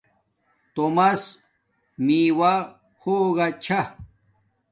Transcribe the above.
تومس میواہ ہوگا چھا